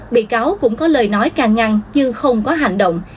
bị cáo cũng có lời nói càng ngăn nhưng không có hành động